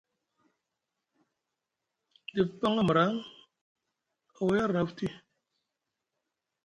Dif paŋ aga a mra, a waya arni afti.